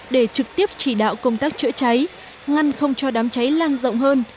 để trực tiếp chỉ đạo công tác chữa cháy ngăn không cho đám cháy lan rộng hơn